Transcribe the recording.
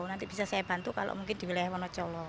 nanti bisa saya bantu kalau mungkin di wilayah wonocolo